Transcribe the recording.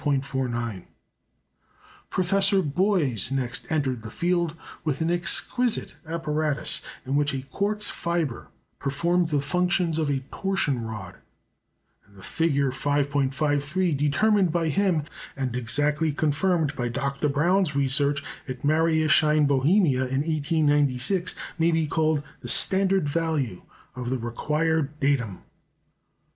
Professor Boys next entered the field with an exquisite apparatus, in which a quartz fibre performed the functions of a torsion rod; and the figure 5·53 determined by him, and exactly confirmed by Dr. Braun's research at Mariaschein, Bohemia, in 1896, may be called the standard value of the required datum.